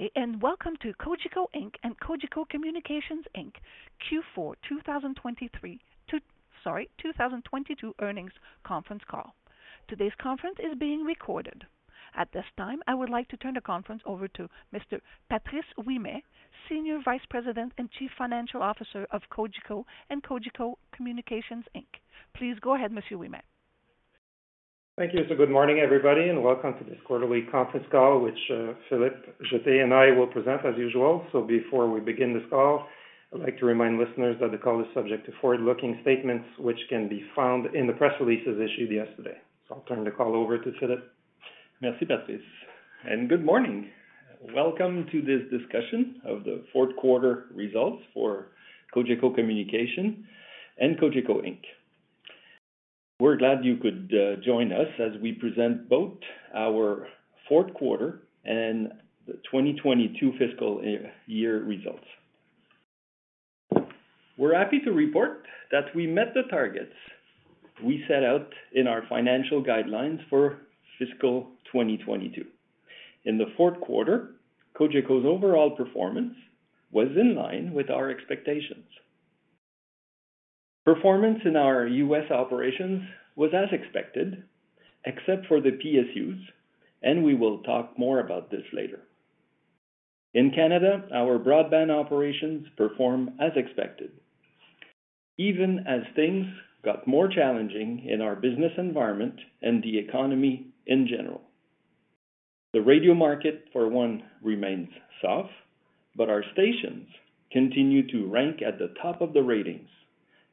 Good day, and welcome to Cogeco Inc. and Cogeco Communications Inc. Q4 2022 earnings conference call. Today's conference is being recorded. At this time, I would like to turn the conference over to Mr. Patrice Ouimet, Senior Vice President and Chief Financial Officer of Cogeco Inc. and Cogeco Communications Inc. Please go ahead, Mr. Ouimet. Thank you. Good morning, everybody, and welcome to this quarterly conference call which Philippe Jetté and I will present as usual. Before we begin this call, I'd like to remind listeners that the call is subject to forward-looking statements, which can be found in the press releases issued yesterday. I'll turn the call over to Philippe. Merci, Patrice, and good morning. Welcome to this discussion of the fourth quarter results for Cogeco Communications and Cogeco Inc. We're glad you could join us as we present both our fourth quarter and the 2022 fiscal year results. We're happy to report that we met the targets we set out in our financial guidelines for fiscal 2022. In the fourth quarter, Cogeco's overall performance was in line with our expectations. Performance in our US operations was as expected, except for the PSUs, and we will talk more about this later. In Canada, our broadband operations perform as expected, even as things got more challenging in our business environment and the economy in general. The radio market, for one, remains soft, but our stations continue to rank at the top of the ratings,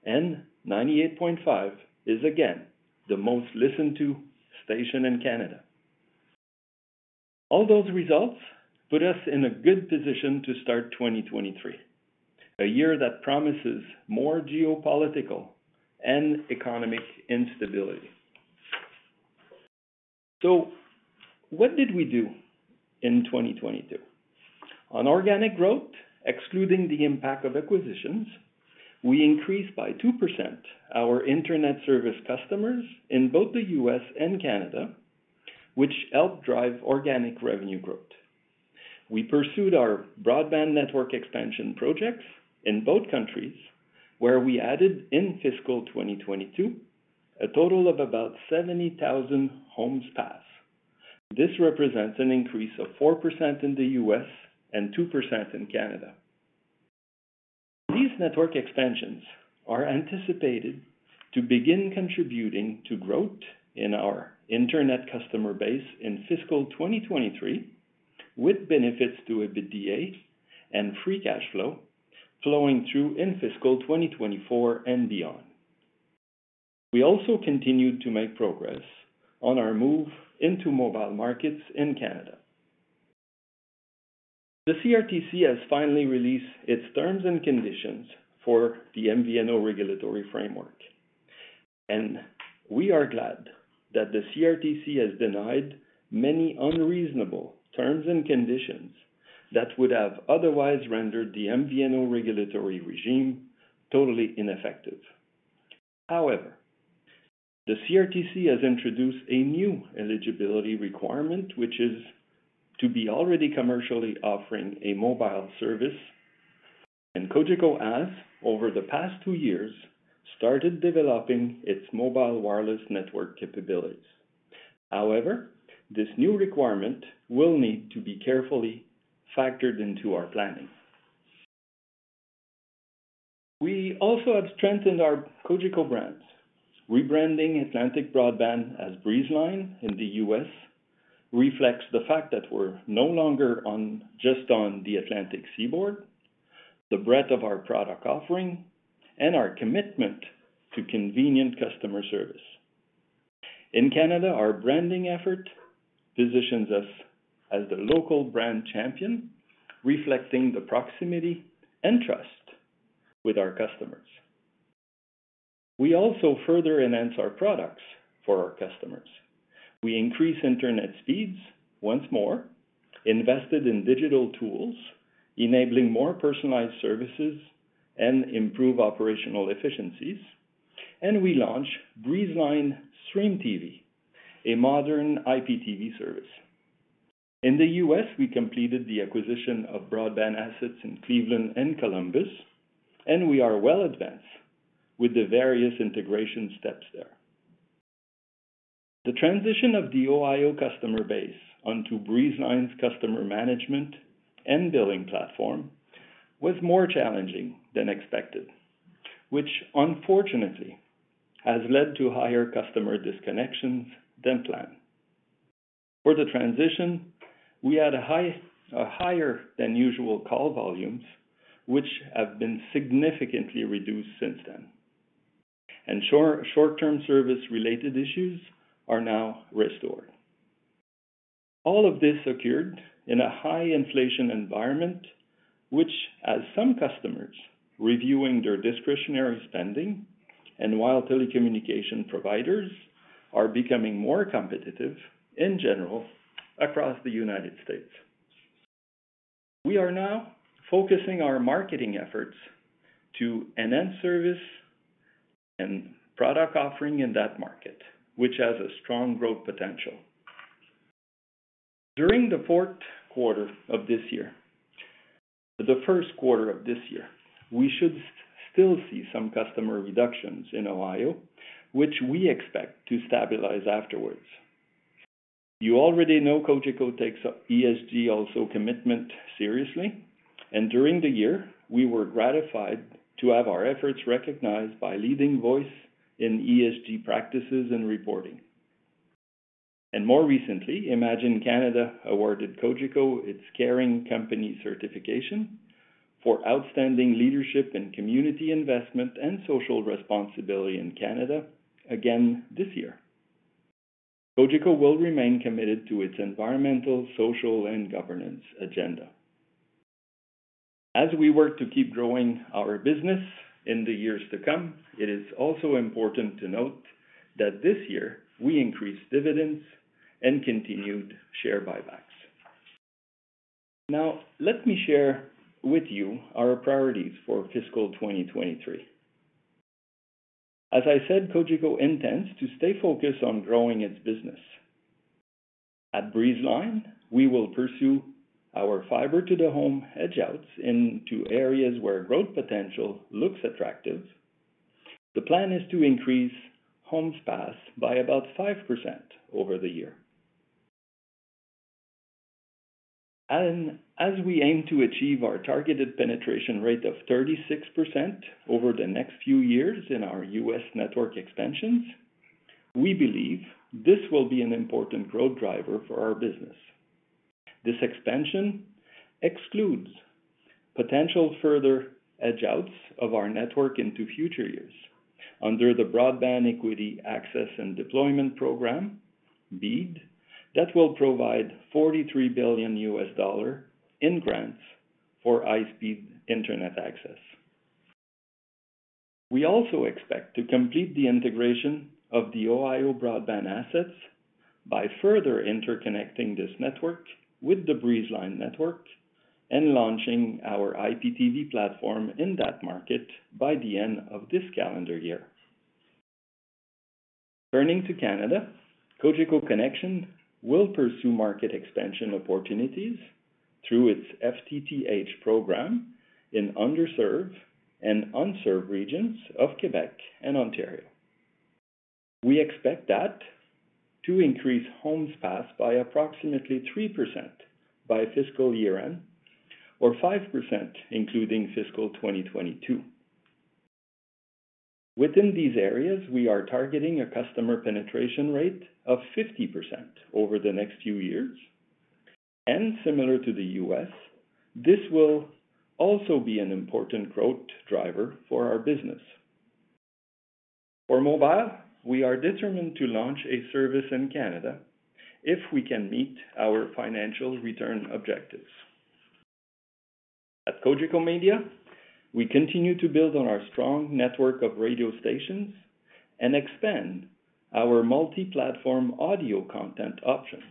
and 98.5 is again the most listened to station in Canada. All those results put us in a good position to start 2023, a year that promises more geopolitical and economic instability. What did we do in 2022? On organic growth, excluding the impact of acquisitions, we increased by 2% our internet service customers in both the US and Canada, which helped drive organic revenue growth. We pursued our broadband network expansion projects in both countries, where we added in fiscal 2022 a total of about 70,000 homes passed. This represents an increase of 4% in the US and 2% in Canada. These network expansions are anticipated to begin contributing to growth in our internet customer base in fiscal 2023, with benefits to EBITDA and free cash flow flowing through in fiscal 2024 and beyond. We also continued to make progress on our move into mobile markets in Canada. The CRTC has finally released its terms and conditions for the MVNO regulatory framework, and we are glad that the CRTC has denied many unreasonable terms and conditions that would have otherwise rendered the MVNO regulatory regime totally ineffective. However, the CRTC has introduced a new eligibility requirement, which is to be already commercially offering a mobile service, and Cogeco has, over the past two years, started developing its mobile wireless network capabilities. However, this new requirement will need to be carefully factored into our planning. We also have strengthened our Cogeco brands. Rebranding Atlantic Broadband as Breezeline in the US reflects the fact that we're no longer just on the Atlantic seaboard, the breadth of our product offering, and our commitment to convenient customer service. In Canada, our branding effort positions us as the local brand champion, reflecting the proximity and trust with our customers. We also further enhanced our products for our customers. We increased internet speeds once more, invested in digital tools, enabling more personalized services and improve operational efficiencies, and we launched Breezeline Stream TV, a modern IPTV service. In the U.S., we completed the acquisition of broadband assets in Cleveland and Columbus, and we are well advanced with the various integration steps there. The transition of the Ohio customer base onto Breezeline's customer management and billing platform was more challenging than expected, which unfortunately has led to higher customer disconnections than planned. For the transition, we had a higher than usual call volumes, which have been significantly reduced since then. Short-term service-related issues are now restored. All of this occurred in a high-inflation environment, which has some customers reviewing their discretionary spending, and while telecommunications providers are becoming more competitive in general across the United States. We are now focusing our marketing efforts to enhance service and product offering in that market, which has a strong growth potential. During the first quarter of this year, we should still see some customer reductions in Ohio, which we expect to stabilize afterwards. You already know Cogeco takes its ESG commitment seriously, and during the year we were gratified to have our efforts recognized by leading voice in ESG practices and reporting. More recently, Imagine Canada awarded Cogeco its Caring Company Certification for outstanding leadership and community investment and social responsibility in Canada again this year. Cogeco will remain committed to its environmental, social, and governance agenda. As we work to keep growing our business in the years to come, it is also important to note that this year we increased dividends and continued share buybacks. Now, let me share with you our priorities for fiscal 2023. As I said, Cogeco intends to stay focused on growing its business. At Breezeline, we will pursue our fiber to the home edge outs into areas where growth potential looks attractive. The plan is to increase homes passed by about 5% over the year. As we aim to achieve our targeted penetration rate of 36% over the next few years in our U.S. network expansions, we believe this will be an important growth driver for our business. This expansion excludes potential further edge outs of our network into future years under the Broadband Equity, Access, and Deployment program, BEAD, that will provide $43 billion in grants for high-speed internet access. We also expect to complete the integration of the Ohio broadband assets by further interconnecting this network with the Breezeline network and launching our IPTV platform in that market by the end of this calendar year. Turning to Canada, Cogeco Connexion will pursue market expansion opportunities through its FTTH program in underserved and unserved regions of Quebec and Ontario. We expect that to increase homes passed by approximately 3% by fiscal year-end, or 5% including fiscal 2022. Within these areas, we are targeting a customer penetration rate of 50% over the next few years, and similar to the U.S., this will also be an important growth driver for our business. For mobile, we are determined to launch a service in Canada if we can meet our financial return objectives. At Cogeco Media, we continue to build on our strong network of radio stations and expand our multi-platform audio content options.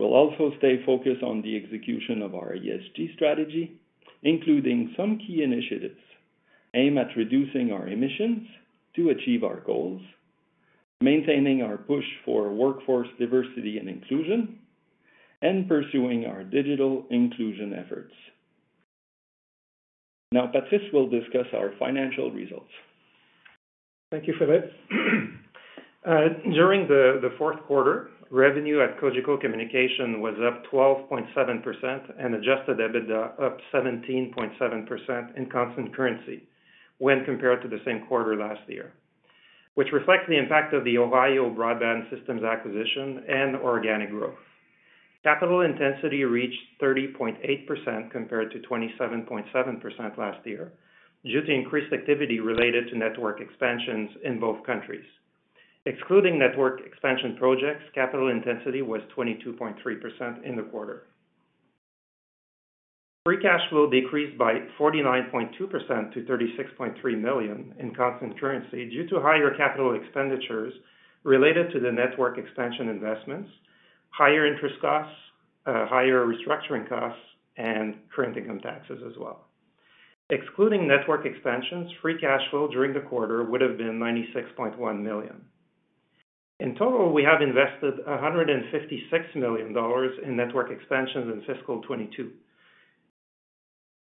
We'll also stay focused on the execution of our ESG strategy, including some key initiatives aimed at reducing our emissions to achieve our goals, maintaining our push for workforce diversity and inclusion, and pursuing our digital inclusion efforts. Now Patrice will discuss our financial results. Thank you, Philippe. During the fourth quarter, revenue at Cogeco Communications was up 12.7% and adjusted EBITDA up 17.7% in constant currency when compared to the same quarter last year, which reflects the impact of the Ohio broadband systems acquisition and organic growth. Capital intensity reached 30.8% compared to 27.7% last year due to increased activity related to network expansions in both countries. Excluding network expansion projects, capital intensity was 22.3% in the quarter. Free cash flow decreased by 49.2% to 36.3 million in constant currency due to higher capital expenditures related to the network expansion investments, higher interest costs, higher restructuring costs, and current income taxes as well. Excluding network expansions, free cash flow during the quarter would've been 96.1 million. In total, we have invested 156 million dollars in network expansions in fiscal 2022.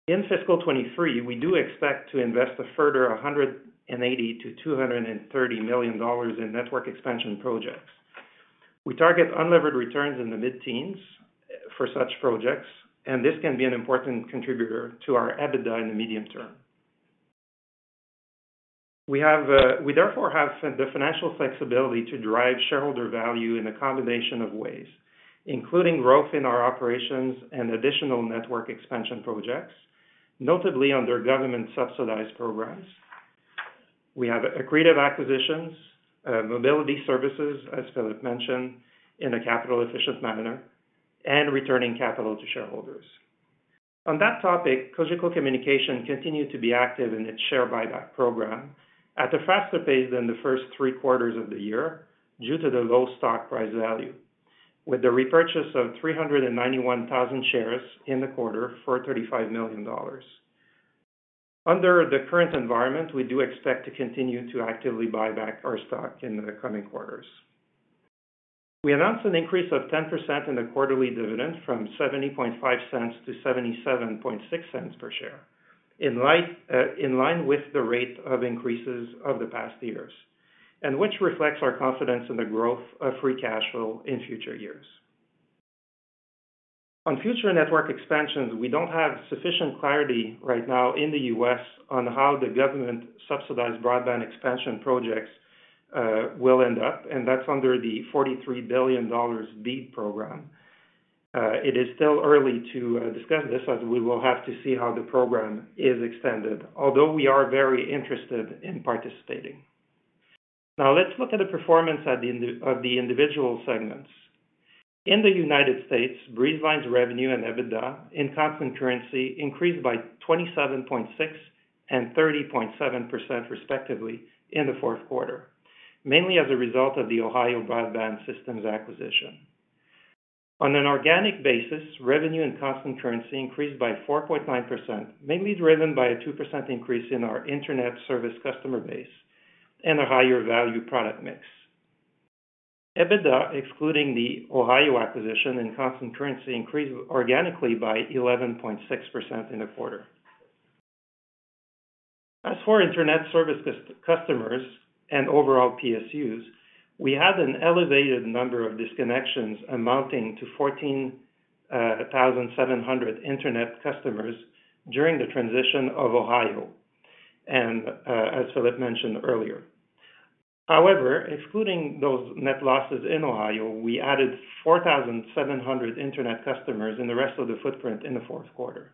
In fiscal 2023, we do expect to invest a further 180 million-230 million dollars in network expansion projects. We target unlevered returns in the mid-teens for such projects, and this can be an important contributor to our EBITDA in the medium term. We therefore have the financial flexibility to drive shareholder value in a combination of ways, including growth in our operations and additional network expansion projects, notably under government-subsidized programs. We have accretive acquisitions, mobility services, as Philippe mentioned, in a capital efficient manner, and returning capital to shareholders. On that topic, Cogeco Communications continued to be active in its share buyback program at a faster pace than the first 3 quarters of the year due to the low stock price value. With the repurchase of 391,000 shares in the quarter for 35 million dollars. Under the current environment, we do expect to continue to actively buy back our stock in the coming quarters. We announced an increase of 10% in the quarterly dividend from 0.705 to 0.776 per share. In line with the rate of increases of the past years, and which reflects our confidence in the growth of free cash flow in future years. On future network expansions, we don't have sufficient clarity right now in the US on how the government subsidized broadband expansion projects will end up, and that's under the $43 billion BEAD program. It is still early to discuss this as we will have to see how the program is extended. Although we are very interested in participating. Now let's look at the performance at the end of the individual segments. In the United States, Breezeline's revenue and EBITDA in constant currency increased by 27.6% and 30.7% respectively in the fourth quarter. Mainly as a result of the Ohio broadband systems acquisition. On an organic basis, revenue and constant currency increased by 4.9%, mainly driven by a 2% increase in our internet service customer base and a higher value product mix. EBITDA, excluding the Ohio acquisition in constant currency, increased organically by 11.6% in the quarter. As for internet service customers and overall PSUs, we had an elevated number of disconnections amounting to 14,700 internet customers during the transition of Ohio, and as Philippe mentioned earlier. However, excluding those net losses in Ohio, we added 4,700 internet customers in the rest of the footprint in the fourth quarter.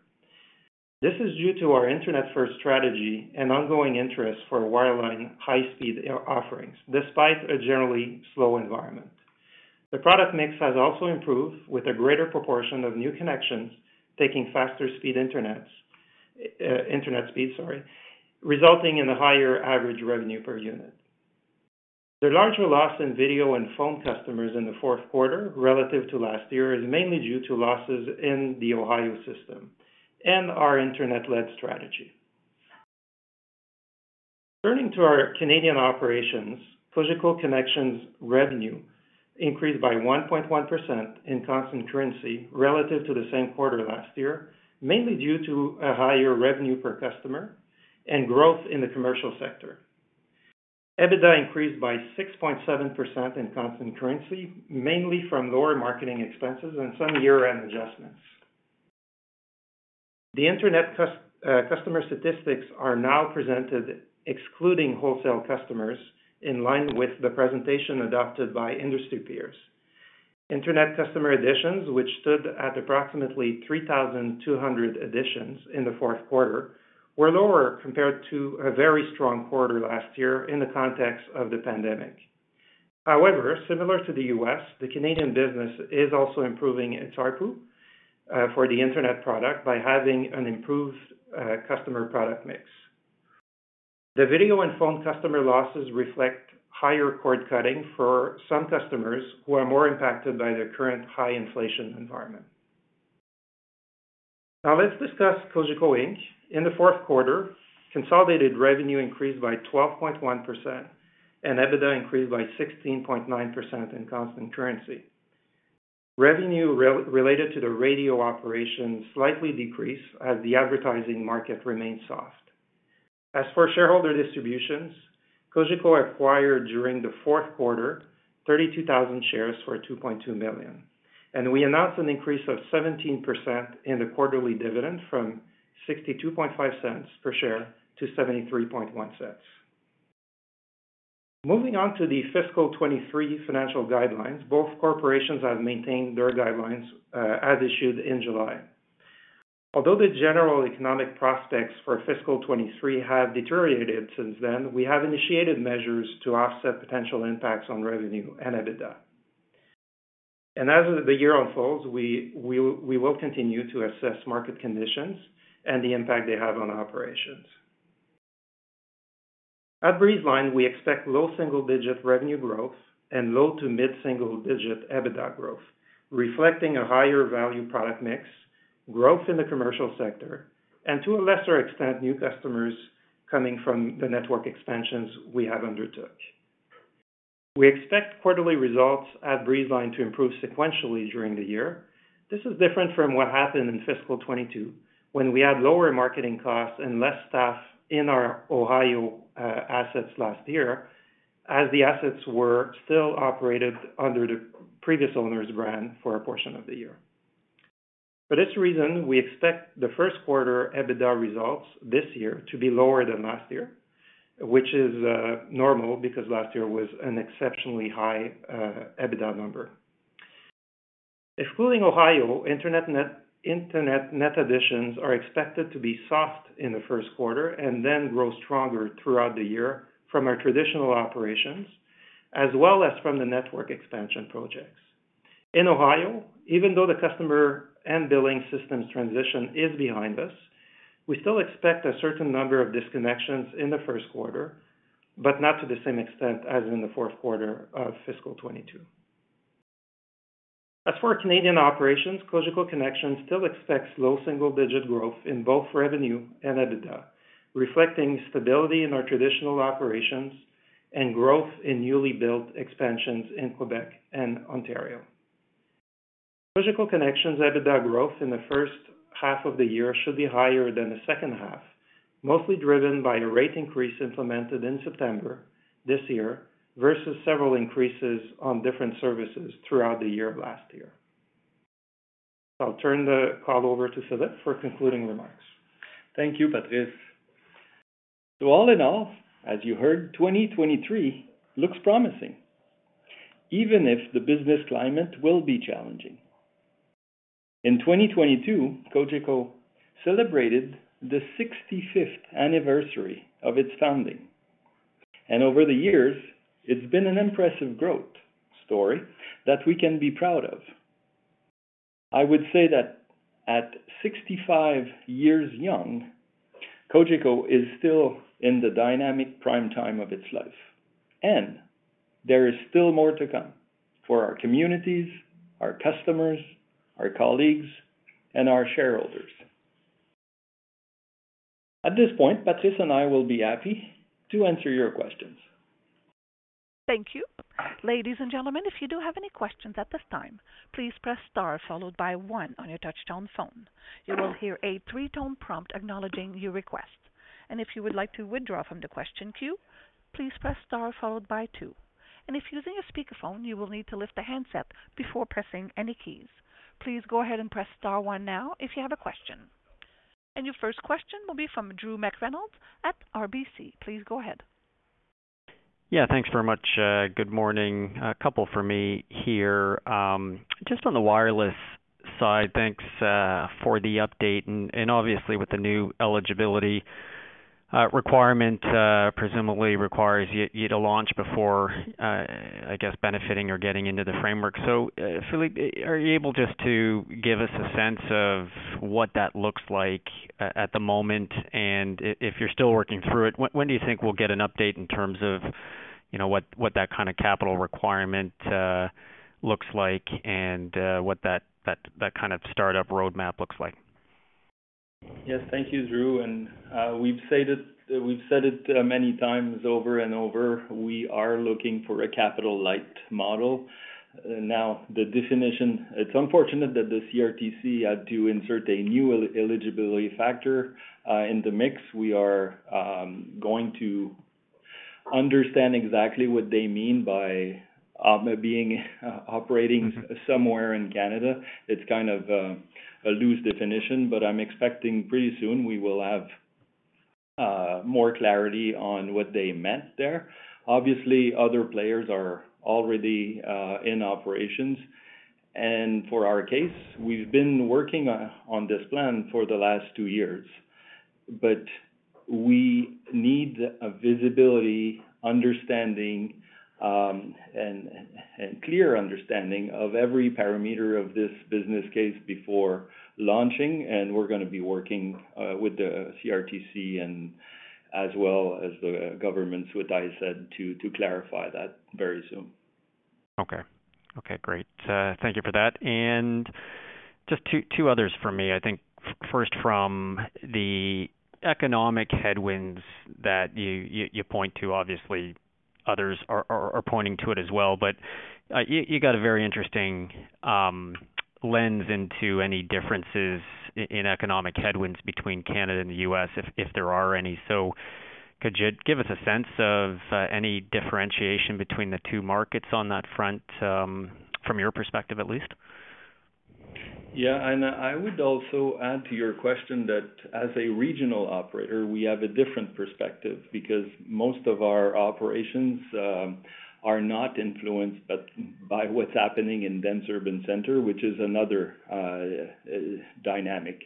This is due to our Internet-first strategy and ongoing interest for wireline high-speed offerings, despite a generally slow environment. The product mix has also improved, with a greater proportion of new connections taking faster speed internet, resulting in a higher average revenue per unit. The larger loss in video and phone customers in the fourth quarter relative to last year is mainly due to losses in the Ohio system and our internet-led strategy. Turning to our Canadian operations, Cogeco Connexion revenue increased by 1.1% in constant currency relative to the same quarter last year, mainly due to a higher revenue per customer and growth in the commercial sector. EBITDA increased by 6.7% in constant currency, mainly from lower marketing expenses and some year-end adjustments. The internet customer statistics are now presented excluding wholesale customers in line with the presentation adopted by industry peers. Internet customer additions, which stood at approximately 3,200 additions in the fourth quarter, were lower compared to a very strong quarter last year in the context of the pandemic. However, similar to the US, the Canadian business is also improving ARPU for the internet product by having an improved customer product mix. The video and phone customer losses reflect higher cord-cutting for some customers who are more impacted by the current high inflation environment. Now let's discuss Cogeco Inc. In the fourth quarter, consolidated revenue increased by 12.1%, and EBITDA increased by 16.9% in constant currency. Revenue related to the radio operations slightly decreased as the advertising market remained soft. As for shareholder distributions, Cogeco acquired during the fourth quarter 32,000 shares for 2.2 million, and we announced an increase of 17% in the quarterly dividend from 0.625 per share to 0.73 per share. Moving on to the fiscal 2023 financial guidelines. Both corporations have maintained their guidelines as issued in July. Although the general economic prospects for fiscal 2023 have deteriorated since then, we have initiated measures to offset potential impacts on revenue and EBITDA. As the year unfolds, we will continue to assess market conditions and the impact they have on operations. At Breezeline, we expect low double-digit revenue growth and low to mid-single digit EBITDA growth, reflecting a higher value product mix, growth in the commercial sector, and to a lesser extent, new customers coming from the network expansions we have undertook. We expect quarterly results at Breezeline to improve sequentially during the year. This is different from what happened in fiscal 2022 when we had lower marketing costs and less staff in our Ohio assets last year as the assets were still operated under the previous owner's brand for a portion of the year. For this reason, we expect the first quarter EBITDA results this year to be lower than last year, which is normal because last year was an exceptionally high EBITDA number. Excluding Ohio, internet net additions are expected to be soft in the first quarter and then grow stronger throughout the year from our traditional operations as well as from the network expansion projects. In Ohio, even though the customer and billing systems transition is behind us. We still expect a certain number of disconnections in the first quarter, but not to the same extent as in the fourth quarter of fiscal 2022. As for Canadian operations, Cogeco Connexion still expects low single-digit growth in both revenue and EBITDA, reflecting stability in our traditional operations and growth in newly built expansions in Quebec and Ontario. Cogeco Connexion EBITDA growth in the first half of the year should be higher than the second half, mostly driven by a rate increase implemented in September this year versus several increases on different services throughout the year of last year. I'll turn the call over to Philippe for concluding remarks. Thank you, Patrice. All in all, as you heard, 2023 looks promising, even if the business climate will be challenging. In 2022, Cogeco celebrated the 65th anniversary of its founding. Over the years, it's been an impressive growth story that we can be proud of. I would say that at 65 years young, Cogeco is still in the dynamic prime time of its life, and there is still more to come for our communities, our customers, our colleagues, and our shareholders. At this point, Patrice and I will be happy to answer your questions. Thank you. Ladies and gentlemen, if you do have any questions at this time, please press star followed by one on your touchtone phone. You will hear a 3-tone prompt acknowledging your request. If you would like to withdraw from the question queue, please press star followed by two. If using a speakerphone, you will need to lift the handset before pressing any keys. Please go ahead and press star one now if you have a question. Your first question will be from Drew McReynolds at RBC. Please go ahead. Yeah, thanks very much. Good morning. A couple for me here. Just on the wireless side, thanks for the update and obviously with the new eligibility requirement, presumably requires you to launch before, I guess, benefiting or getting into the framework. Philippe, are you able just to give us a sense of what that looks like at the moment, and if you're still working through it, when do you think we'll get an update in terms of, you know, what that kinda capital requirement looks like and what that kind of startup roadmap looks like? Yes. Thank you, Drew. We've said it many times over and over, we are looking for a capital light model. Now, the definition, it's unfortunate that the CRTC had to insert a new eligibility factor in the mix. We are going to understand exactly what they mean by being operating somewhere in Canada. It's kind of a loose definition, but I'm expecting pretty soon we will have more clarity on what they meant there. Obviously, other players are already in operations. For our case, we've been working on this plan for the last two years. We need a visibility, understanding, and clear understanding of every parameter of this business case before launching, and we're gonna be working with the CRTC and as well as the governments with ISED to clarify that very soon. Okay. Okay, great. Thank you for that. Just two others for me. I think first from the economic headwinds that you point to, obviously others are pointing to it as well. You got a very interesting lens into any differences in economic headwinds between Canada and the US if there are any. Could you give us a sense of any differentiation between the two markets on that front from your perspective at least? Yeah. I would also add to your question that as a regional operator, we have a different perspective because most of our operations are not influenced by what's happening in dense urban center, which is another dynamic.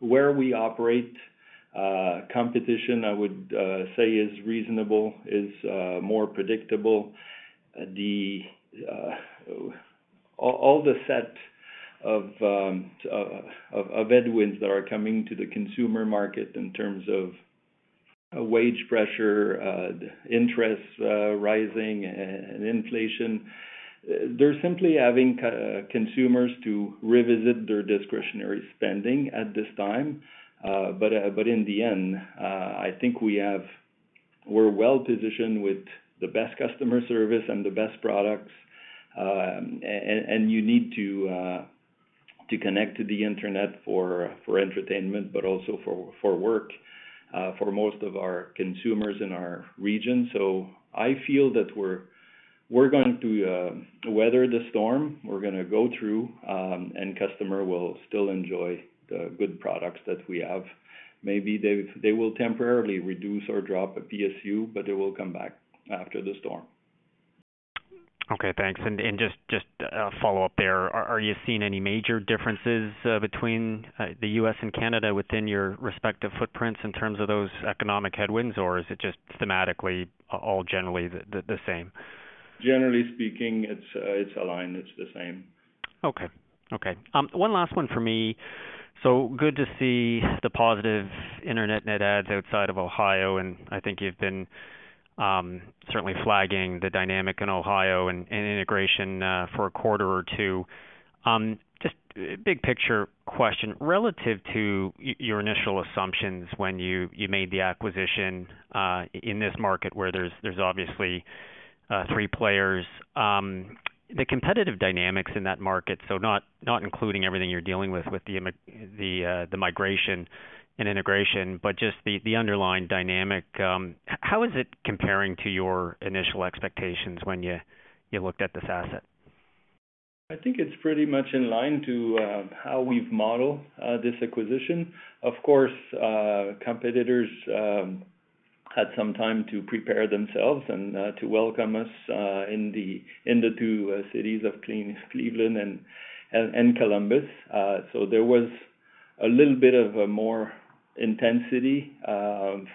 Where we operate, competition I would say is reasonable, more predictable. All the set of headwinds that are coming to the consumer market in terms of wage pressure, interest rising and inflation, they're simply causing consumers to revisit their discretionary spending at this time. In the end, I think we're well-positioned with the best customer service and the best products. You need to connect to the Internet for entertainment, but also for work, for most of our consumers in our region. I feel that we're going to weather the storm, we're gonna go through, and customer will still enjoy the good products that we have. Maybe they will temporarily reduce or drop a PSU, but they will come back after the storm. Okay, thanks. Just a follow-up there. Are you seeing any major differences between the US and Canada within your respective footprints in terms of those economic headwinds, or is it just thematically all generally the same? Generally speaking, it's aligned. It's the same. One last one for me. Good to see the positive internet net adds outside of Ohio, and I think you've been certainly flagging the dynamic in Ohio and integration for a quarter or two. Just big picture question. Relative to your initial assumptions when you made the acquisition in this market where there's obviously three players. The competitive dynamics in that market, not including everything you're dealing with the migration and integration, but just the underlying dynamic, how is it comparing to your initial expectations when you looked at this asset? I think it's pretty much in line with how we've modeled this acquisition. Of course, competitors had some time to prepare themselves and to welcome us in the two cities of Cleveland and Columbus. There was a little bit more intensity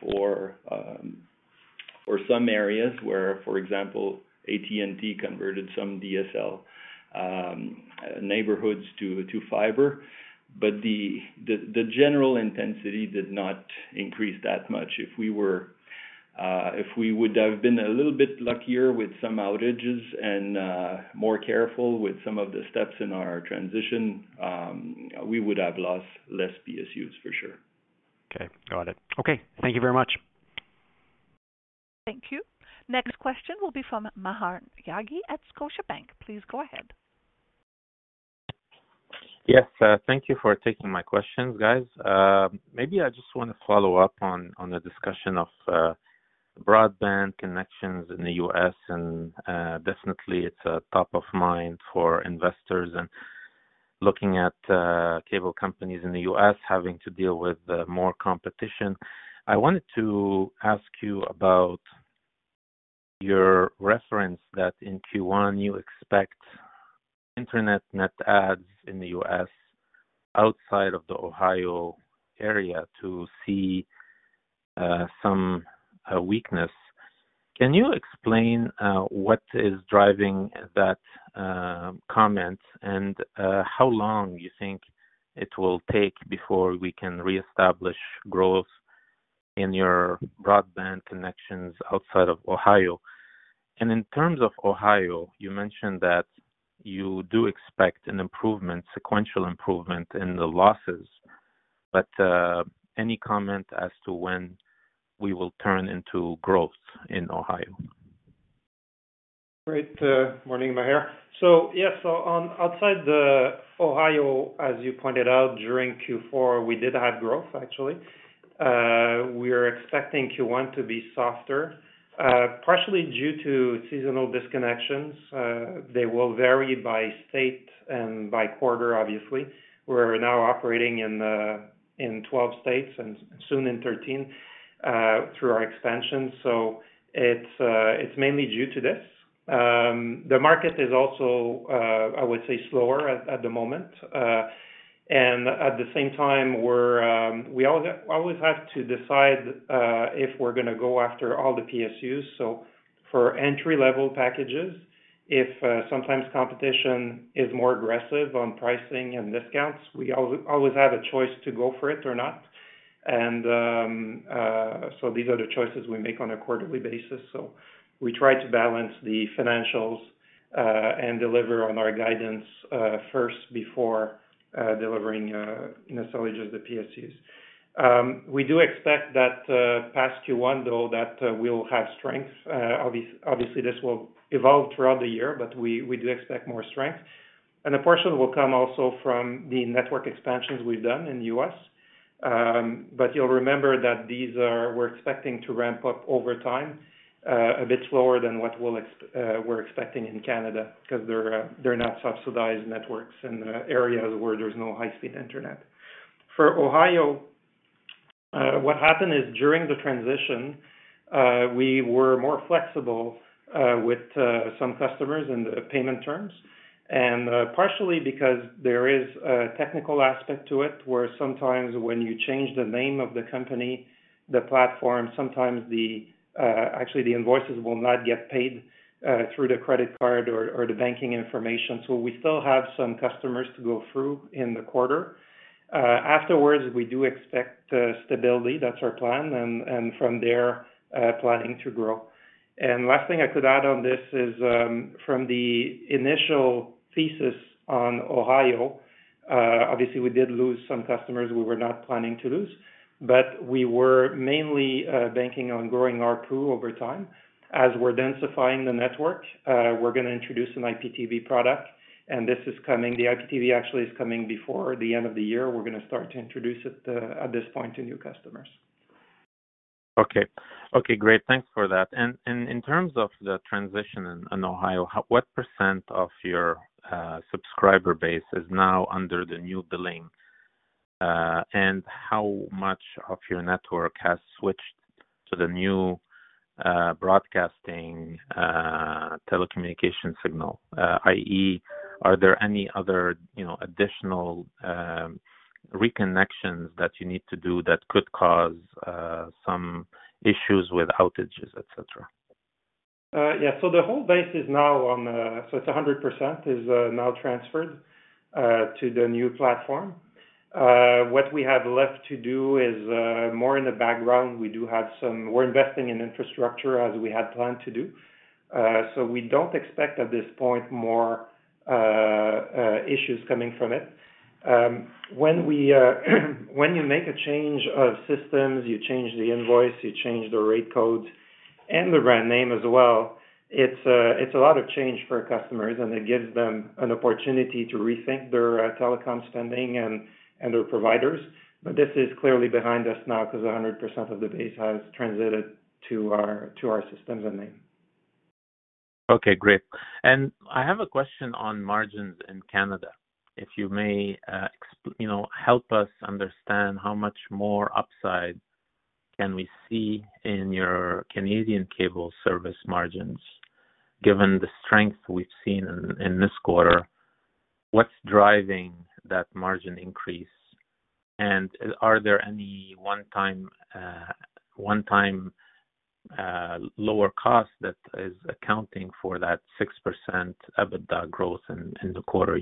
for some areas where, for example, AT&T converted some DSL neighborhoods to fiber. The general intensity did not increase that much. If we would have been a little bit luckier with some outages and more careful with some of the steps in our transition, we would have lost less PSUs for sure. Okay. Got it. Okay. Thank you very much. Thank you. Next question will be from Maher Yaghi at Scotiabank. Please go ahead. Yes. Thank you for taking my questions, guys. Maybe I just want to follow up on the discussion of broadband connections in the U.S. and definitely it's top of mind for investors and looking at cable companies in the U.S. having to deal with more competition. I wanted to ask you about your reference that in Q1, you expect internet net adds in the U.S. outside of the Ohio area to see some weakness. Can you explain what is driving that comment and how long you think it will take before we can reestablish growth in your broadband connections outside of Ohio? And in terms of Ohio, you mentioned that you do expect an improvement, sequential improvement in the losses, but any comment as to when we will turn into growth in Ohio? Great morning, Maher. Outside of Ohio, as you pointed out during Q4, we did have growth, actually. We are expecting Q1 to be softer, partially due to seasonal disconnections. They will vary by state and by quarter, obviously. We're now operating in 12 states and soon in 13 through our expansion. It's mainly due to this. The market is also, I would say, slower at the moment. At the same time, we always have to decide if we're gonna go after all the PSUs. For entry-level packages, if sometimes competition is more aggressive on pricing and discounts, we always have a choice to go for it or not. These are the choices we make on a quarterly basis. We try to balance the financials and deliver on our guidance first before delivering you know salvage of the PSUs. We do expect that past Q1, though, we'll have strength. Obviously, this will evolve throughout the year, but we do expect more strength. A portion will come also from the network expansions we've done in the U.S. But you'll remember that these are. We're expecting to ramp up over time, a bit slower than what we're expecting in Canada because they're not subsidized networks in the areas where there's no high-speed internet. For Ohio, what happened is, during the transition, we were more flexible with some customers in the payment terms. Partially because there is a technical aspect to it, where sometimes when you change the name of the company, the platform, sometimes actually the invoices will not get paid through the credit card or the banking information. We still have some customers to go through in the quarter. Afterwards, we do expect stability. That's our plan. From there, planning to grow. Last thing I could add on this is, from the initial thesis on Ohio, obviously we did lose some customers we were not planning to lose, but we were mainly banking on growing ARPU over time. As we're densifying the network, we're gonna introduce an IPTV product, and this is coming. The IPTV actually is coming before the end of the year. We're gonna start to introduce it at this point to new customers. Okay. Okay, great. Thanks for that. In terms of the transition in Ohio, what % of your subscriber base is now under the new billing? How much of your network has switched to the new broadcasting telecommunication signal? i.e., are there any other, you know, additional reconnections that you need to do that could cause some issues with outages, et cetera? The whole base is now on. It's 100% now transferred to the new platform. What we have left to do is more in the background. We're investing in infrastructure as we had planned to do. We don't expect at this point more issues coming from it. When you make a change of systems, you change the invoice, you change the rate codes and the brand name as well. It's a lot of change for customers, and it gives them an opportunity to rethink their telecom spending and their providers. This is clearly behind us now 'cause 100% of the base has transited to our systems and name. Okay, great. I have a question on margins in Canada. If you may, help us understand how much more upside can we see in your Canadian cable service margins, given the strength we've seen in this quarter. What's driving that margin increase? Are there any one-time lower cost that is accounting for that 6% EBITDA growth in the quarter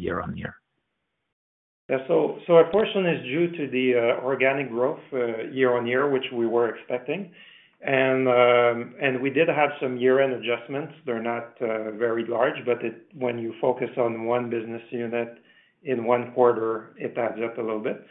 year-on-year? A portion is due to the organic growth year-over-year, which we were expecting. We did have some year-end adjustments. They're not very large, but when you focus on one business unit in one quarter, it adds up a little bit.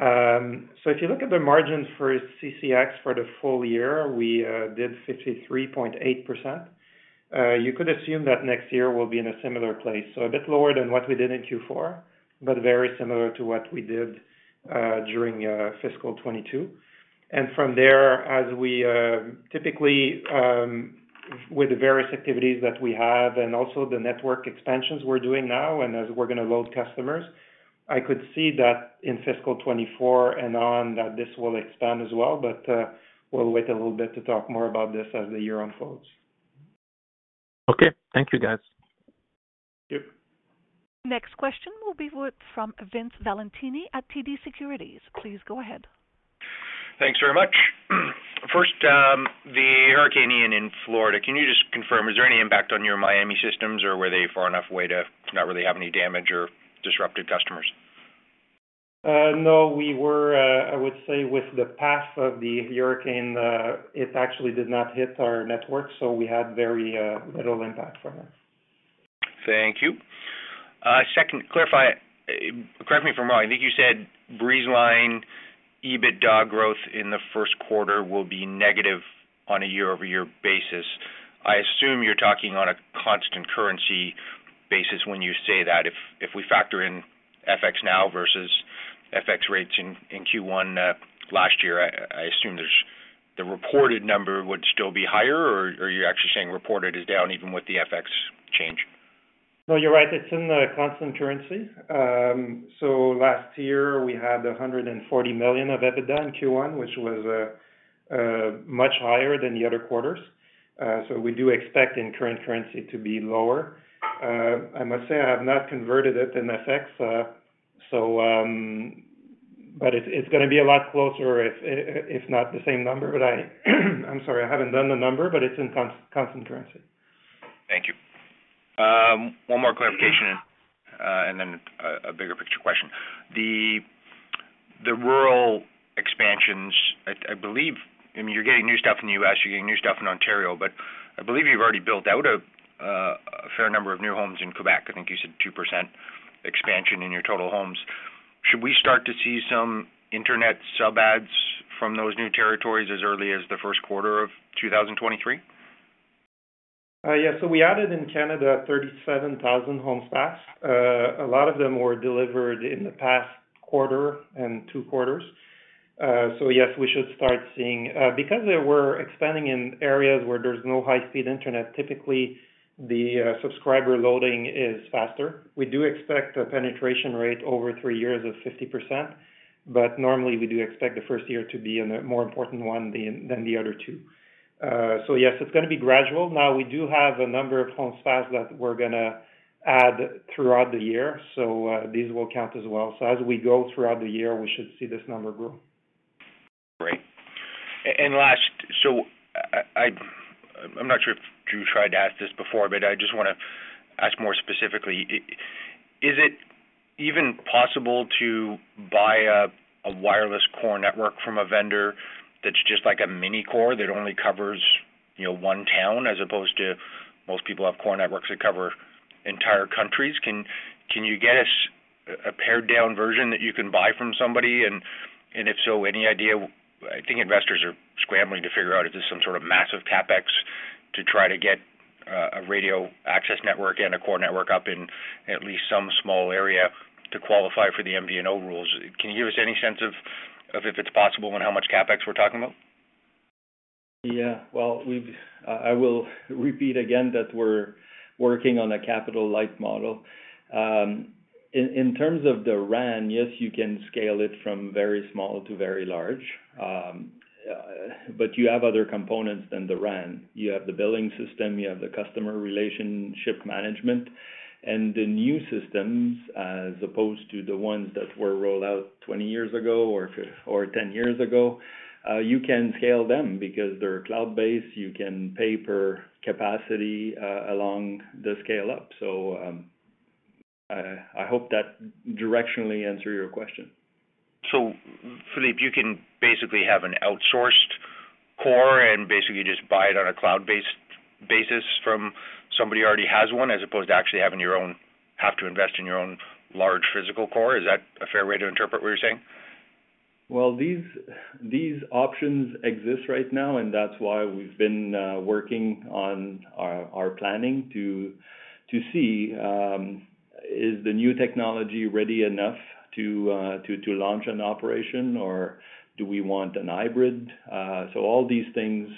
If you look at the margins for CCX for the full year, we did 63.8%. You could assume that next year we'll be in a similar place. A bit lower than what we did in Q4, but very similar to what we did during fiscal 2022. From there, as we typically with the various activities that we have and also the network expansions we're doing now and as we're gonna load customers, I could see that in fiscal 2024 and on that this will expand as well. We'll wait a little bit to talk more about this as the year unfolds. Okay. Thank you, guys. Yep. Next question will be with from Vince Valentini at TD Securities. Please go ahead. Thanks very much. First, the hurricane in Florida. Can you just confirm, is there any impact on your Miami systems or were they far enough away to not really have any damage or disrupted customers? No. We were, I would say with the path of the hurricane, it actually did not hit our network, so we had very little impact from it. Thank you. Second, correct me if I'm wrong. I think you said Breezeline EBITDA growth in the first quarter will be negative on a year-over-year basis. I assume you're talking on a constant currency basis when you say that. If we factor in FX now versus FX rates in Q1 last year, I assume there's the reported number would still be higher, or you're actually saying reported is down even with the FX change? No, you're right. It's in constant currency. Last year we had 140 million of EBITDA in Q1, which was much higher than the other quarters. We do expect in current currency to be lower. I must say I have not converted it in FX. It's gonna be a lot closer if not the same number. I'm sorry, I haven't done the number, but it's in constant currency. Thank you. One more clarification, and then a bigger picture question. The rural expansions, I believe, I mean, you're getting new stuff in the U.S., you're getting new stuff in Ontario, but I believe you've already built out a fair number of new homes in Quebec. I think you said 2% expansion in your total homes. Should we start to see some internet sub adds from those new territories as early as the first quarter of 2023? Yes. We added in Canada 37,000 home spots. A lot of them were delivered in the past quarter and two quarters. Yes, we should start seeing because they were expanding in areas where there's no high-speed internet, typically, the subscriber loading is faster. We do expect a penetration rate over three years of 50%, but normally we do expect the first year to be a more important one than the other two. Yes, it's gonna be gradual. Now, we do have a number of home spots that we're gonna add throughout the year, so these will count as well. As we go throughout the year, we should see this number grow. Great. Last, I'm not sure if Drew tried to ask this before, but I just wanna ask more specifically. Is it even possible to buy a wireless core network from a vendor that's just like a mini core that only covers, you know, one town, as opposed to most people have core networks that cover entire countries? Can you get us a pared down version that you can buy from somebody? If so, any idea. I think investors are scrambling to figure out if there's some sort of massive CapEx to try to get a radio access network and a core network up in at least some small area to qualify for the MVNO rules. Can you give us any sense of if it's possible and how much CapEx we're talking about? Yeah. Well, I will repeat again that we're working on a capital light model. In terms of the RAN, yes, you can scale it from very small to very large. But you have other components than the RAN. You have the billing system, you have the customer relationship management. The new systems, as opposed to the ones that were rolled out 20 years ago or 10 years ago, you can scale them because they're cloud-based. You can pay per capacity as you scale up. I hope that directionally answer your question. Philippe, you can basically have an outsourced core and basically just buy it on a cloud-based basis from somebody who already has one, as opposed to actually have to invest in your own large physical core. Is that a fair way to interpret what you're saying? Well, these options exist right now, and that's why we've been working on our planning to see is the new technology ready enough to launch an operation or do we want a hybrid? All these things,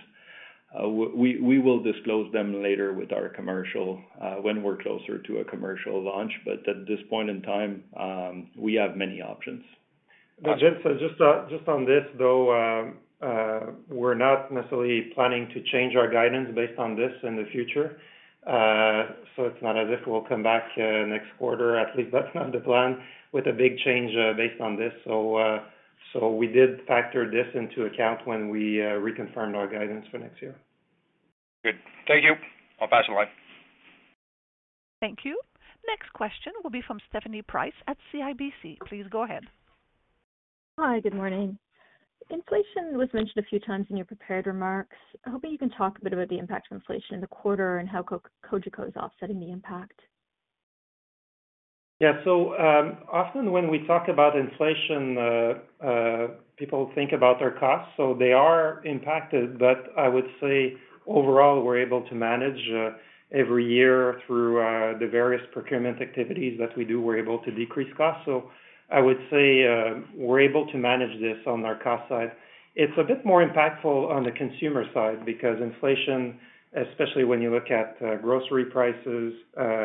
we will disclose them later with our commercial when we're closer to a commercial launch. At this point in time, we have many options. Vince, just on this, though, we're not necessarily planning to change our guidance based on this in the future. It's not as if we'll come back next quarter. At least that's not the plan with a big change based on this. We did factor this into account when we reconfirmed our guidance for next year. Good. Thank you. I'll pass the line. Thank you. Next question will be from Stephanie Price at CIBC. Please go ahead. Hi. Good morning. Inflation was mentioned a few times in your prepared remarks. I'm hoping you can talk a bit about the impact of inflation in the quarter and how Cogeco is offsetting the impact. Yeah. Often when we talk about inflation, people think about their costs, so they are impacted. I would say overall, we're able to manage every year through the various procurement activities that we do, we're able to decrease costs. I would say we're able to manage this on our cost side. It's a bit more impactful on the consumer side because inflation, especially when you look at grocery prices,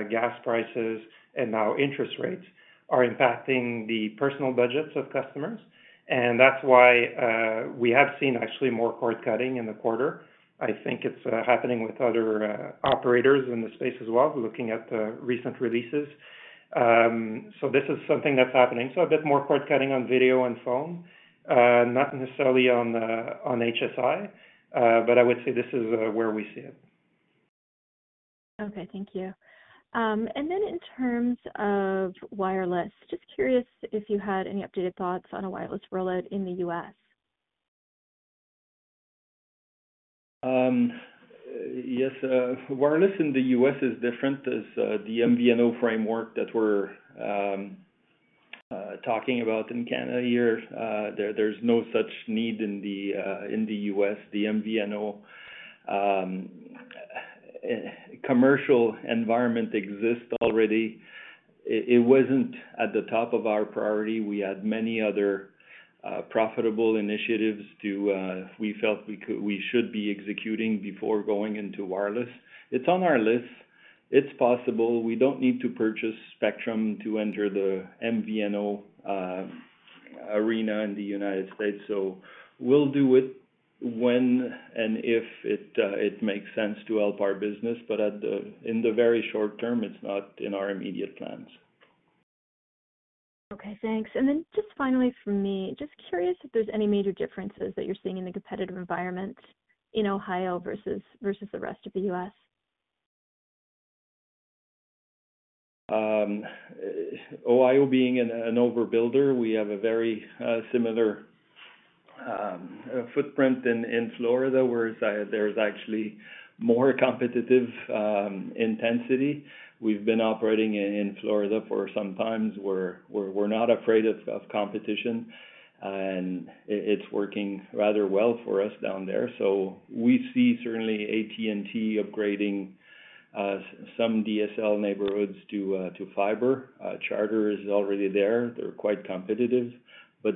gas prices and now interest rates are impacting the personal budgets of customers. That's why we have seen actually more cord-cutting in the quarter. I think it's happening with other operators in the space as well, looking at the recent releases. This is something that's happening. A bit more cord-cutting on video and phone, not necessarily on HSI, but I would say this is where we see it. Okay, thank you. In terms of wireless, just curious if you had any updated thoughts on a wireless rollout in the U.S. Yes. Wireless in the U.S. is different, as the MVNO framework that we're talking about in Canada here. There's no such need in the U.S. The MVNO commercial environment exists already. It wasn't at the top of our priority. We had many other profitable initiatives we should be executing before going into wireless. It's on our list. It's possible. We don't need to purchase Spectrum to enter the MVNO arena in the United States, so we'll do it when and if it makes sense to help our business. In the very short term, it's not in our immediate plans. Okay, thanks. Just finally from me, just curious if there's any major differences that you're seeing in the competitive environment in Ohio versus the rest of the U.S.? Ohio being an overbuilder, we have a very similar footprint in Florida, where there's actually more competitive intensity. We've been operating in Florida for some time. We're not afraid of competition, and it's working rather well for us down there. We see certainly AT&T upgrading some DSL neighborhoods to fiber. Charter is already there. They're quite competitive, but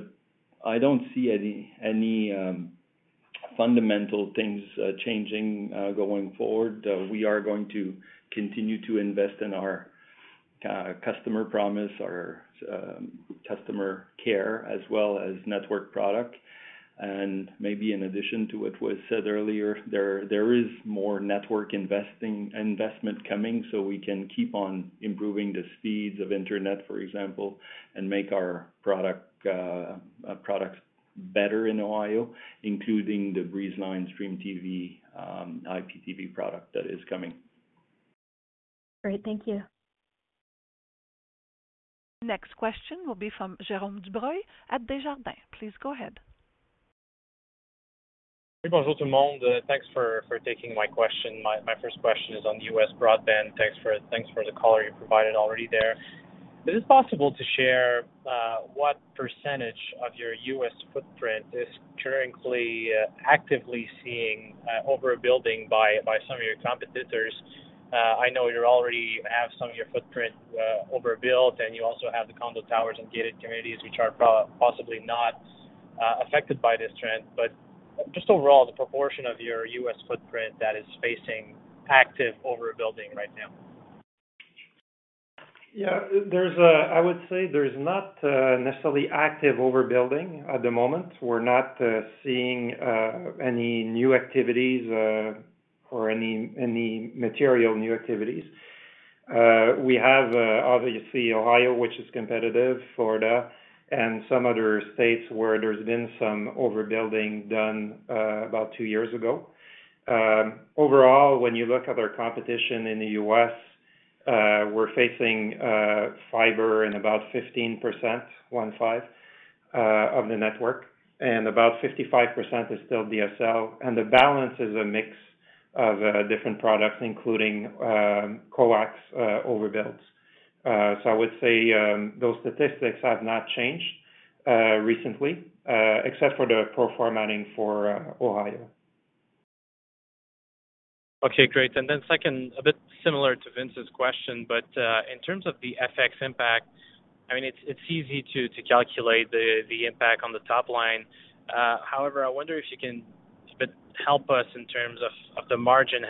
I don't see any fundamental things changing going forward. We are going to continue to invest in our customer promise, our customer care, as well as network product. Maybe in addition to what was said earlier, there is more network investment coming, so we can keep on improving the speeds of internet, for example, and make our products better in Ohio, including the Breezeline Stream TV, IPTV product that is coming. Great. Thank you. Next question will be from Jérôme Dubreuil at Desjardins. Please go ahead. Thanks for taking my question. My first question is on the U.S. broadband. Thanks for the color you provided already there. Is it possible to share what percentage of your U.S. footprint is currently actively seeing overbuilding by some of your competitors? I know you already have some of your footprint overbuilt, and you also have the condo towers and gated communities, which are possibly not affected by this trend. Just overall, the proportion of your U.S. footprint that is facing active overbuilding right now. Yeah, I would say there's not necessarily active overbuilding at the moment. We're not seeing any new activities or any material new activities. We have obviously Ohio, which is competitive, Florida and some other states where there's been some overbuilding done about two years ago. Overall, when you look at our competition in the U.S., we're facing fiber in about 15% of the network, and about 55% is still DSL, and the balance is a mix of different products, including coax overbuilds. I would say those statistics have not changed recently except for the pro forma for Ohio. Okay, great. Second, a bit similar to Vince's question, but in terms of the FX impact, I mean, it's easy to calculate the impact on the top line. However, I wonder if you can help us a bit in terms of the margin.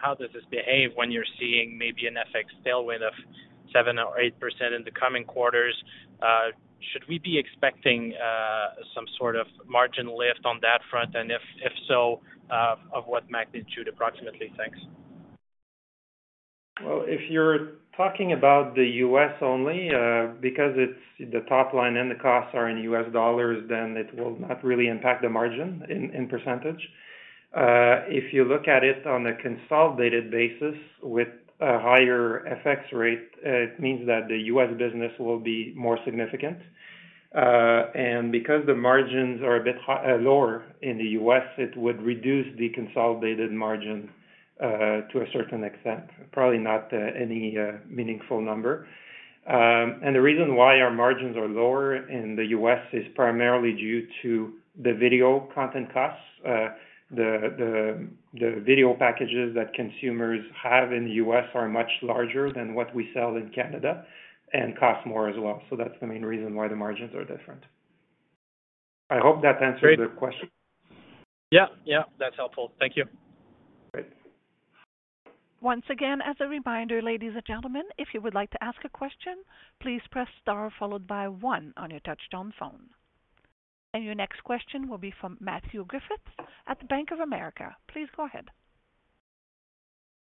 How does this behave when you're seeing maybe an FX tailwind of 7% or 8% in the coming quarters? Should we be expecting some sort of margin lift on that front? And if so, of what magnitude approximately? Thanks. Well, if you're talking about the U.S. only, because it's the top line and the costs are in US dollars, then it will not really impact the margin in percentage. If you look at it on a consolidated basis with a higher FX rate, it means that the U.S. business will be more significant. And because the margins are a bit lower in the U.S., it would reduce the consolidated margin to a certain extent, probably not any meaningful number. And the reason why our margins are lower in the U.S. is primarily due to the video content costs. The video packages that consumers have in the U.S. are much larger than what we sell in Canada and cost more as well. That's the main reason why the margins are different. I hope that answers your question. Great. Yeah, yeah. That's helpful. Thank you. Great. Once again, as a reminder, ladies and gentlemen, if you would like to ask a question, please press Star followed by one on your touchtone phone. Your next question will be from Matthew Griffiths at the Bank of America. Please go ahead.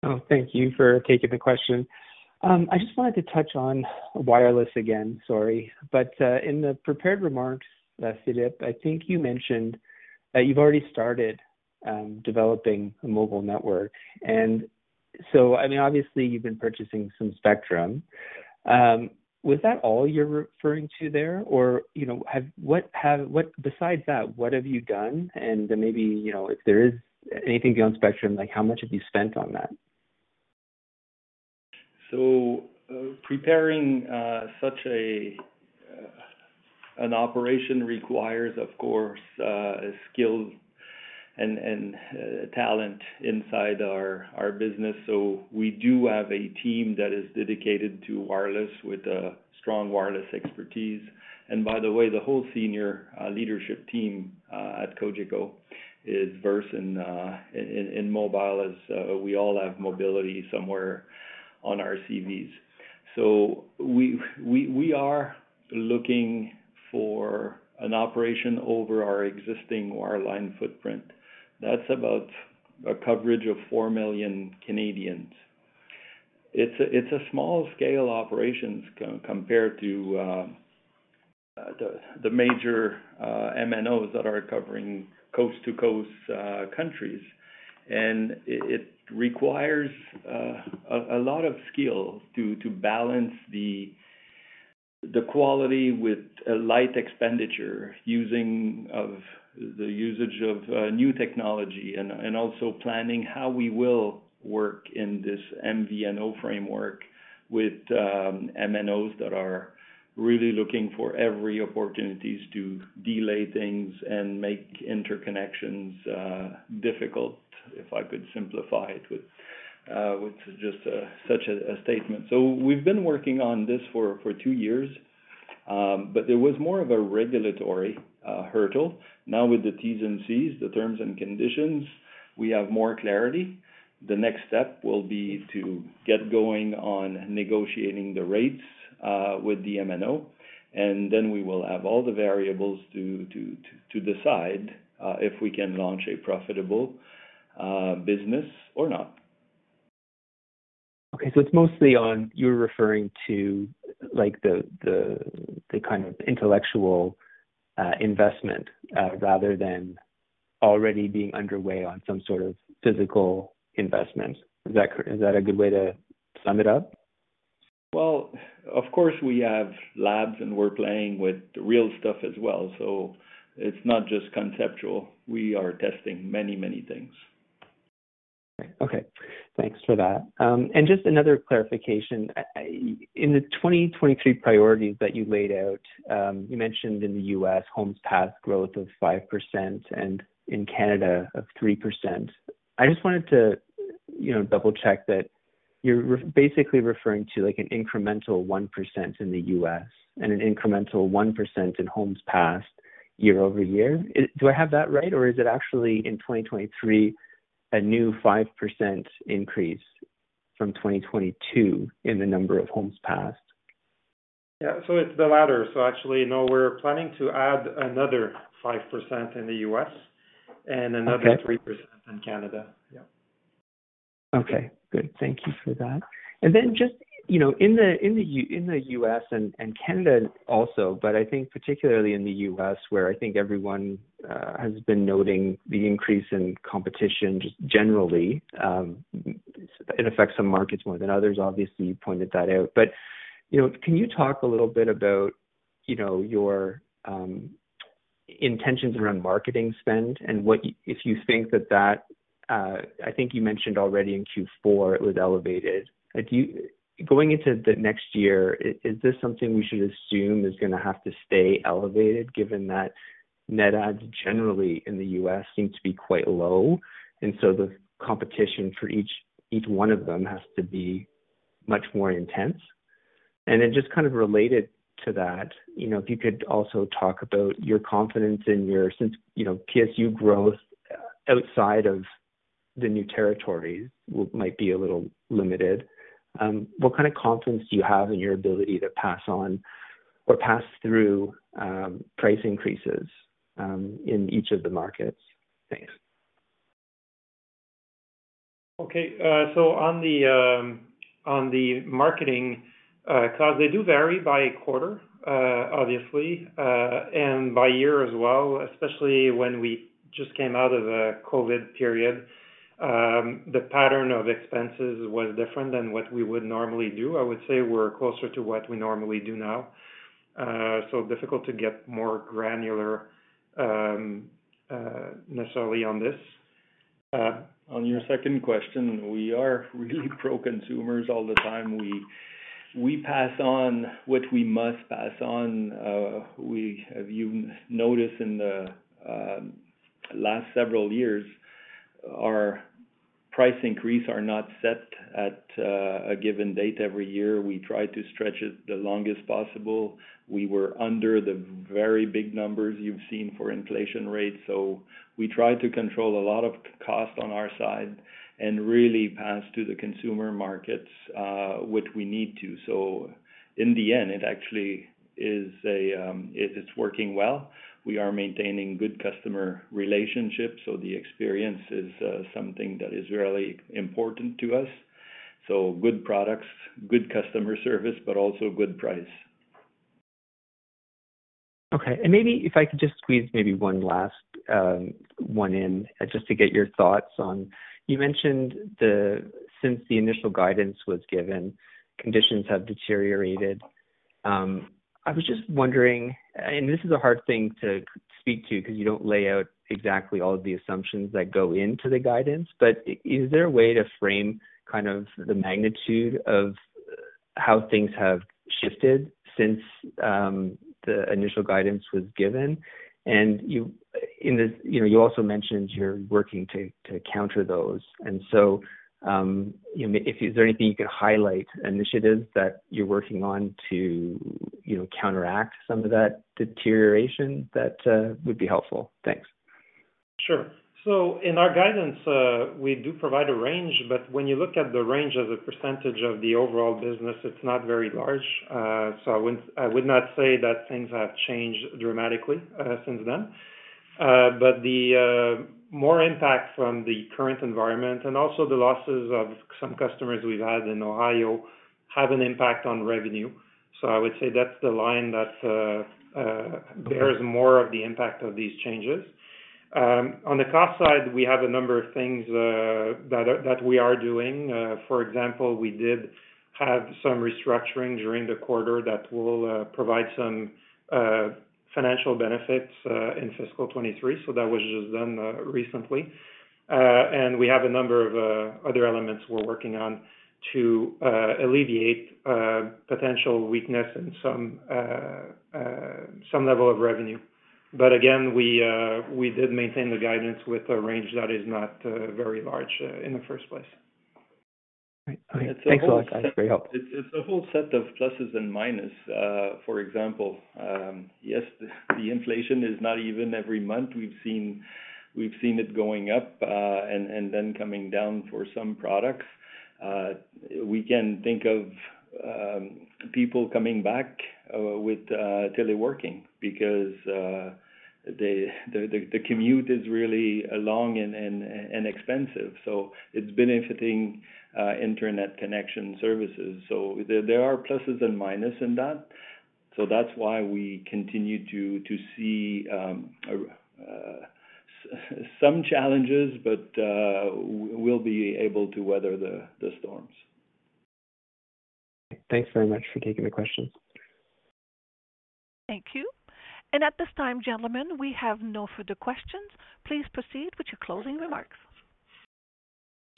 Oh, thank you for taking the question. I just wanted to touch on wireless again. Sorry. In the prepared remarks, Philippe, I think you mentioned that you've already started developing a mobile network. I mean, obviously you've been purchasing some spectrum. Was that all you're referring to there? Or, you know, besides that, what have you done? Maybe, you know, if there is anything beyond spectrum, like how much have you spent on that? Preparing such an operation requires, of course, skill and talent inside our business. We do have a team that is dedicated to wireless with a strong wireless expertise. By the way, the whole senior leadership team at Cogeco is versed in mobile, as we all have mobility somewhere on our CVs. We are looking for an operation over our existing wireline footprint. That's about a coverage of 4 million Canadians. It's a small scale operations compared to the major MNOs that are covering coast-to-coast countries. It requires a lot of skill to balance the quality with a light expenditure using of. The usage of new technology and also planning how we will work in this MVNO framework with MNOs that are really looking for every opportunity to delay things and make interconnections difficult, if I could simplify it with just such a statement. We've been working on this for two years. There was more of a regulatory hurdle. Now with the Ts and Cs, the terms and conditions, we have more clarity. The next step will be to get going on negotiating the rates with the MNO, and then we will have all the variables to decide if we can launch a profitable business or not. Okay. It's mostly on. You're referring to, like, the kind of intellectual investment rather than already being underway on some sort of physical investment. Is that a good way to sum it up? Well, of course, we have labs, and we're playing with the real stuff as well, so it's not just conceptual. We are testing many, many things. Okay. Thanks for that. And just another clarification. In the 2023 priorities that you laid out, you mentioned in the US, homes passed growth of 5% and in Canada of 3%. I just wanted to, you know, double check that you're basically referring to, like, an incremental 1% in the US and an incremental 1% in homes passed year over year. Do I have that right? Or is it actually in 2023, a new 5% increase from 2022 in the number of homes passed? Yeah, it's the latter. Actually, no, we're planning to add another 5% in the US. Okay. Another 3% in Canada. Yeah. Okay, good. Thank you for that. Then just, you know, in the U.S. and Canada also, but I think particularly in the U.S., where I think everyone has been noting the increase in competition just generally, it affects some markets more than others, obviously, you pointed that out. You know, can you talk a little bit about, you know, your intentions around marketing spend and what if you think that, I think you mentioned already in Q4, it was elevated. Going into the next year, is this something we should assume is gonna have to stay elevated given that net adds generally in the U.S. seem to be quite low, and so the competition for each one of them has to be much more intense? Just kind of related to that, you know, if you could also talk about your confidence since, you know, PSU growth outside of the new territories might be a little limited, what kind of confidence do you have in your ability to pass on or pass through price increases in each of the markets? Thanks. Okay. On the marketing costs, they do vary by quarter, obviously, and by year as well, especially when we just came out of a COVID period. The pattern of expenses was different than what we would normally do. I would say we're closer to what we normally do now. Difficult to get more granular, necessarily on this. On your second question, we are really pro-consumers all the time. We pass on what we must pass on. We have even noticed in the last several years, our price increase are not set at, a given date every year. We try to stretch it the longest possible. We were under the very big numbers you've seen for inflation rates. We try to control a lot of cost on our side and really pass to the consumer markets, which we need to. In the end, it is working well. We are maintaining good customer relationships, so the experience is something that is really important to us. Good products, good customer service, but also good price. Okay. Maybe if I could just squeeze in maybe one last one to get your thoughts on. You mentioned since the initial guidance was given, conditions have deteriorated. I was just wondering, and this is a hard thing to speak to because you don't lay out exactly all of the assumptions that go into the guidance, but is there a way to frame, kind of, the magnitude of how things have shifted since the initial guidance was given? You, in this, you know, you also mentioned you're working to counter those. You know, if there's anything you could highlight initiatives that you're working on to, you know, counteract some of that deterioration, that would be helpful. Thanks. Sure. In our guidance, we do provide a range, but when you look at the range as a percentage of the overall business, it's not very large. I would not say that things have changed dramatically since then. The more impact from the current environment and also the losses of some customers we've had in Ohio have an impact on revenue. I would say that's the line that bears more of the impact of these changes. On the cost side, we have a number of things that we are doing. For example, we did have some restructuring during the quarter that will provide some financial benefits in fiscal 2023. That was just done recently. We have a number of other elements we're working on to alleviate potential weakness in some level of revenue. Again, we did maintain the guidance with a range that is not very large in the first place. All right. Thanks a lot. That's very helpful. It's a whole set of pluses and minuses. For example, yes, the inflation is not even every month. We've seen it going up, and then coming down for some products. We can think of people coming back with teleworking because the commute is really long and expensive. It's benefiting internet connection services. There are pluses and minuses in that. That's why we continue to see some challenges, but we'll be able to weather the storms. Thanks very much for taking the questions. Thank you. At this time, gentlemen, we have no further questions. Please proceed with your closing remarks.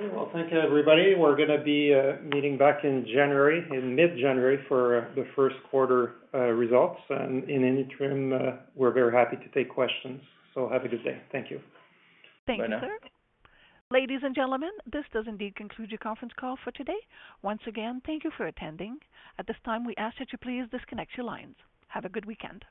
Okay. Well, thank you, everybody. We're gonna be meeting back in January, in mid-January for the first quarter results. In the interim, we're very happy to take questions. Have a good day. Thank you. Thank you, sir. Bye now. Ladies and gentlemen, this does indeed conclude your conference call for today. Once again, thank you for attending. At this time, we ask that you please disconnect your lines. Have a good weekend.